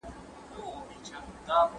ایا ځايي کروندګر خندان پسته ساتي؟